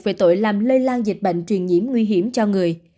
về tội làm lây lan dịch bệnh truyền nhiễm nguy hiểm cho người